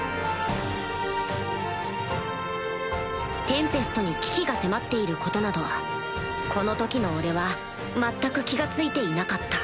テンペストに危機が迫っていることなどこの時の俺は全く気が付いていなかった